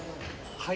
はい。